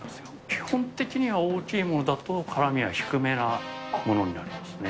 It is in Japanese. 基本的には大きいものだと、辛みは低めなものになりますね。